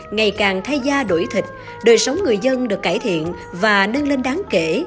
ngày càng thay da đổi thịt đời sống người dân được cải thiện và nâng lên đáng kể